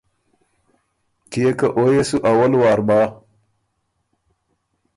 کيې که او يې سو اول وار بَۀ